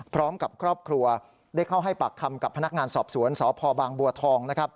พร้อมกับครอบครัวได้เข้าให้ปากคำกับพนักงานสอบสวนสพบางบัวทอง